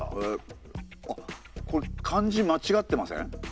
あっこれ漢字まちがってません？